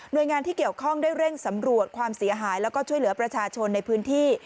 โดยงานที่เกี่ยวข้องได้เร่งสำรวจความเสียหายแล้วก็ช่วยเหลือประชาชนในพื้นที่